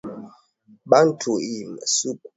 Bantu iyi masiku banapenda miujiza kuliko kuokolewa